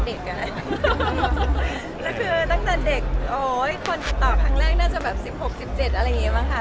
แล้วคือตั้งแต่เด็กโอ้ยคนติดต่อครั้งแรกน่าจะแบบ๑๖๑๗อะไรอย่างนี้บ้างค่ะ